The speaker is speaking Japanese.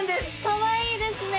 かわいいですね。